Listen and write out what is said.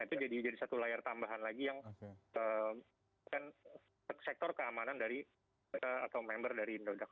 itu jadi satu layer tambahan lagi yang sektor keamanan dari member dari indodoc